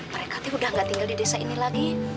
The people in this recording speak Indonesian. mereka udah gak tinggal di desa ini lagi